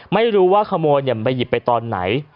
ไม่รู้ว่าขโมยไปหยิบไปตอนไหน